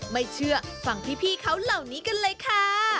ไม่เชื่อฟังพี่เขาเหล่านี้กันเลยค่ะ